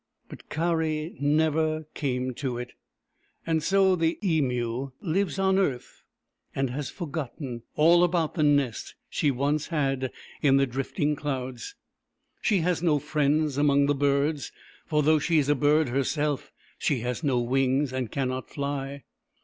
But Kari never came to it. So the Emu lives on earth, and has forgotten 78 THE EMU WHO WOULD DANCE all about the nest she once had in the drifting clouds. She has no friends among the birds, for though she is a bird herself, she has no wings, and cannot fly.